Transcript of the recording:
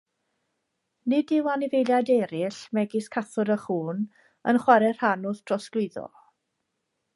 Nid yw anifeiliaid eraill, megis cathod a chŵn, yn chwarae rhan wrth drosglwyddo.